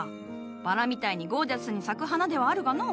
バラみたいにゴージャスに咲く花ではあるがのう。